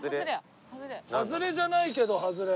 「ハズレじゃないけどハズレ！」